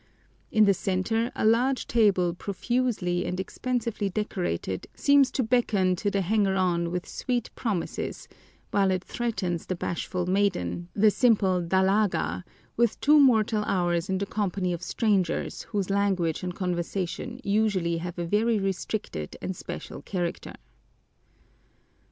In the center a large table profusely and expensively decorated seems to beckon to the hanger on with sweet promises, while it threatens the bashful maiden, the simple dalaga, with two mortal hours in the company of strangers whose language and conversation usually have a very restricted and special character.